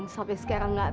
sampai sekarang gak